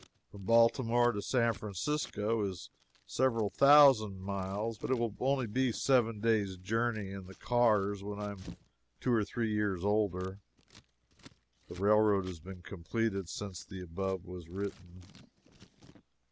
From Baltimore to San Francisco is several thousand miles, but it will be only a seven days' journey in the cars when I am two or three years older. [The railroad has been completed since the above was written.